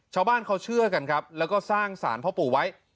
ชาวบ้านเขาเชื่อกันครับแล้วก็สร้างสารพ่อปู่ไว้